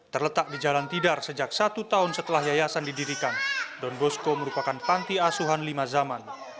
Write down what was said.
terletak di jalan tidar sejak satu tahun setelah yayasan didirikan don bosco merupakan panti asuhan lima zaman